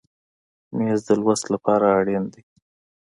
مېز د لوست لپاره اړتیا ده.